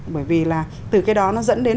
bởi vì là từ cái đó nó dẫn đến